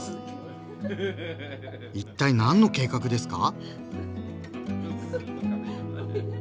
一体何の計画ですか？